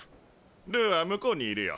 ルーは向こうにいるよ。